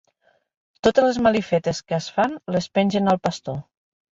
Totes les malifetes que es fan, les pengen al pastor.